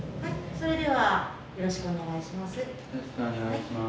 それではよろしくお願いします。